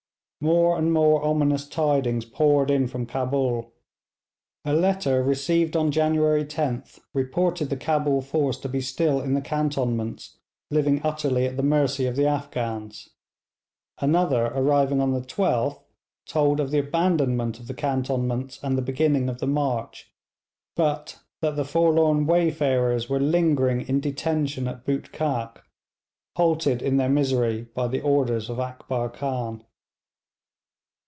More and more ominous tidings poured in from Cabul. A letter received on January both reported the Cabul force to be still in the cantonments, living utterly at the mercy of the Afghans; another arriving on the 12th told of the abandonment of the cantonments and the beginning of the march, but that the forlorn wayfarers were lingering in detention at Bootkhak, halted in their misery by the orders of Akbar Khan.